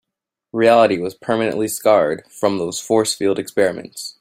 Reality was permanently scarred from those force field experiments.